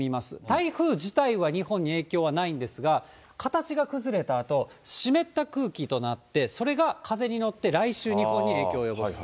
台風自体は日本に影響はないんですが、形が崩れたあと、湿った空気となって、それが風に乗って、来週日本に影響を及ぼす。